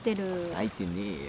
泣いてねえよ。